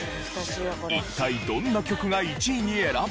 一体どんな曲が１位に選ばれるのか？